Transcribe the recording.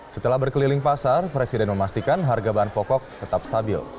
setelah berkeliling pasar presiden memastikan harga bahan pokok tetap stabil